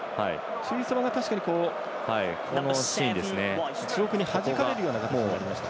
テュイソバが確かにはじかれるような形になりました。